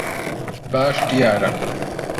باش دیارە.